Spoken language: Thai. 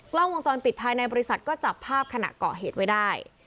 กล้องวงจรปิดภายในบริษัทก็จับภาพขณะเกาะเหตุไว้ได้